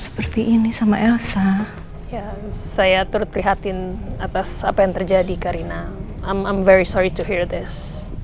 ya saya turut prihatin atas apa yang terjadi karina i am very sorry to hear this